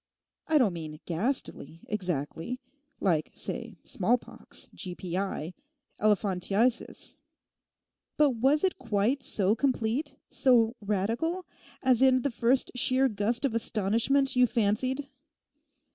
I don't mean "ghastly" exactly (like, say, smallpox, G.P.I., elephantiasis), but was it quite so complete, so radical, as in the first sheer gust of astonishment you fancied?